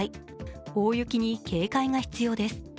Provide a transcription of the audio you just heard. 大雪に警戒が必要です。